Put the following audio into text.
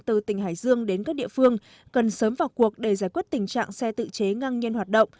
từ tỉnh hải dương đến các địa phương cần sớm vào cuộc để giải quyết tình trạng xe tự chế ngang nhiên hoạt động